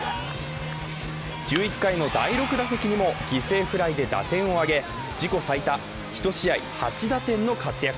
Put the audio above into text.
１１回の第６打席にも犠牲フライで打点を挙げ自己最多１試合８打点の活躍。